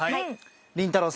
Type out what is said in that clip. りんたろー。